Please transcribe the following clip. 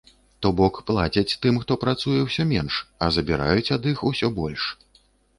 То бок, плацяць тым, хто працуе, усё менш, а забіраюць ад іх усё больш.